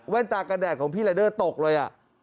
ตากระแดดของพี่รายเดอร์ตกเลย